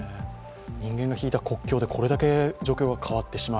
人間が引いた国境で、これだけ状況が変わってしまう。